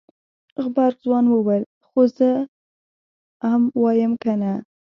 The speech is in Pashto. غبرګ ځوان وويل خو زه ام وايم کنه.